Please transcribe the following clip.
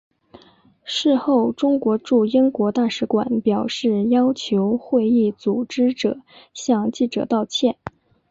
事后中国驻英国大使馆表示要求会议组织者向记者道歉。